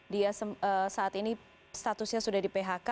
dia saat ini statusnya sudah di phk